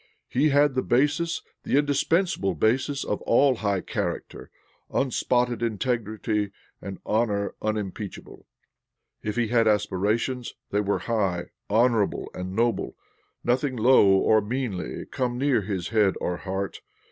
He had the basis, the indispensible basis of all high character; unspotted integrity and honor unimpeached. If he had aspirations they were high, honorable and noble; nothing low or meanly come near his head or heart.